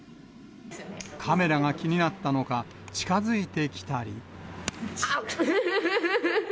カメラが気になったのか、近づいてきたり。